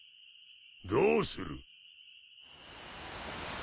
どうする？